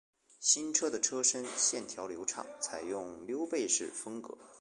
新车的车身线条流畅，采用溜背式风格